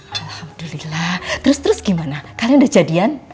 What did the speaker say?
alhamdulillah terus terus gimana kalian udah jadian